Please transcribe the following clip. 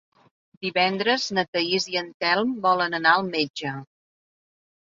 Divendres na Thaís i en Telm volen anar al metge.